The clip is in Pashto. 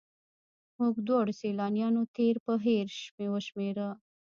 موږ دواړو سیلانیانو تېر پر هېر وشمېره.